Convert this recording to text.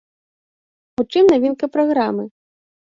У чым навінка праграмы?